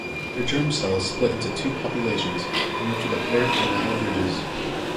The germ cells split into two populations and move to the paired gonadal ridges.